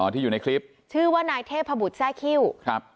ที่อยู่ในคลิปชื่อว่านายเทพบุตรแซ่คิ้วครับ